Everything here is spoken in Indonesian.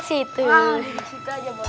di situ aja bos